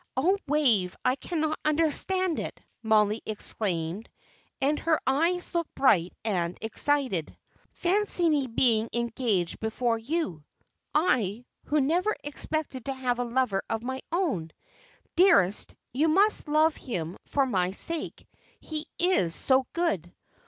"Oh, Wave, I cannot understand it!" Mollie exclaimed, and her eyes looked bright and excited. "Fancy my being engaged before you! I, who never expected to have a lover of my own! Dearest, you must love him for my sake, he is so good.